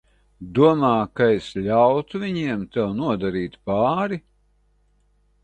Domā, ka es ļautu viņiem tev nodarīt pāri?